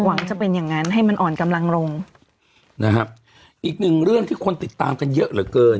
หวังจะเป็นอย่างงั้นให้มันอ่อนกำลังลงนะครับอีกหนึ่งเรื่องที่คนติดตามกันเยอะเหลือเกิน